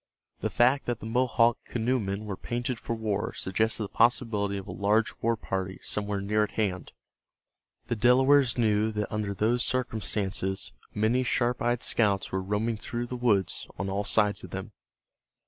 The fact that the Mohawk canoemen were painted for war suggested the possibility of a large war party somewhere near at hand. The Delawares knew that under those circumstances many sharp eyed scouts were roaming through the woods on all sides of them.